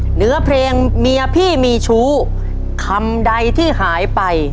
เหนือเพลงเมียพี่มีชู้คำใดที่หายไป